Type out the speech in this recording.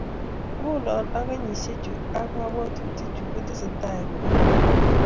Nguno ak kenyisiek chu ak kabwatutikchu kotesetai kobeku